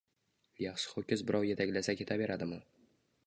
Yaxshi ho‘kiz birov yetaklasa keta beradimi